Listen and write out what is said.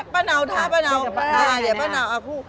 ปะเนาถ้าปะเนา